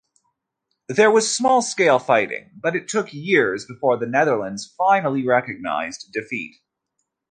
There was small-scale fighting but it took years before the Netherlands finally recognized defeat.